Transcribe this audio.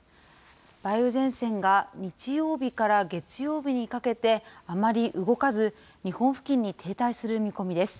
梅雨前線が、日曜日から月曜日にかけて、あまり動かず、日本付近に停滞する見込みです。